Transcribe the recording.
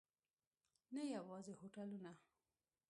نه یوازې هوټلونه.